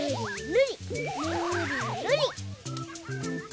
ぬりぬり。